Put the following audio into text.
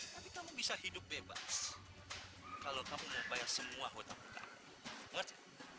tapi kamu bisa hidup bebas kalau kamu mau bayar semua hutang hutang